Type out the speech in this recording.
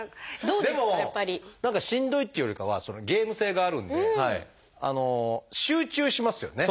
でも何かしんどいっていうよりかはゲーム性があるんで集中しますよね。